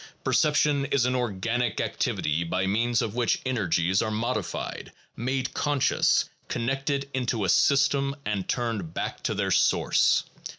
Perception is an organic activity by means of which energies are modified, made conscious, connected into a system, and turned back to their source.